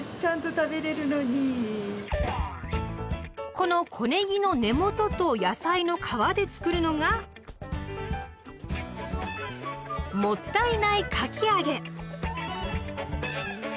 この小ねぎの根元と野菜の皮で作るのが「もったいないかき揚げ」。